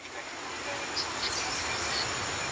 اسلام د ظِهار کفاره د مريي يا مينځي ازادول وټاکله